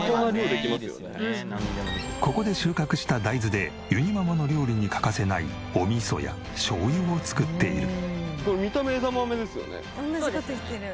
ここで収穫した大豆でゆにママの料理に欠かせないお味噌やしょうゆを作っている。